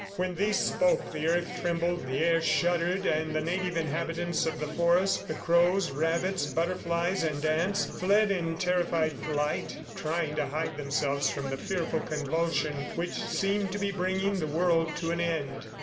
When these spoke, the earth trembled, the air shuddered, and the native inhabitants of the forest, the crows, rabbits, butterflies and ants, fled in terrified flight, trying to hide themselves from the fearful convulsion which seemed to be bringing the world to an end.